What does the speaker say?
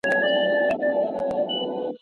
موږ به ډېر ژر یو لوی علمي سیمینار ولرو.